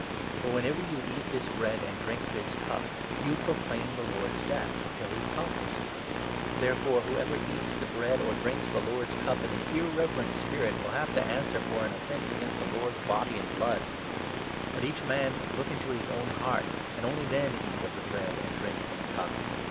For whenever you eat this 26 bread and drink the cup, you proclaim the Lord's death — till he comes. Therefore, whoever eats the bread, or drinks the 27 Lord's cup, in an irreverent spirit, will have to answer for an offence against the Lord's body and blood. Let each man 28 look into his own heart, and only then eat of the bread and drink from the cup.